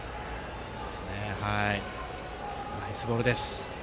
ナイスボールでした。